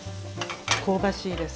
香ばしいです。